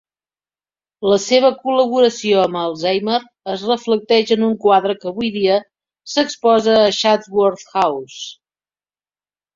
La seva col·laboració amb Elsheimer es reflecteix en un quadre que, avui dia, s'exposa a Chatsworth House.